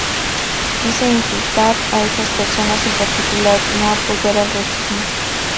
Quise insultar a esas personas en particular, no apoyar al racismo".